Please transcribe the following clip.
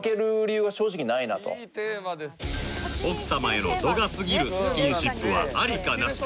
奥様への度がすぎるスキンシップはアリかナシか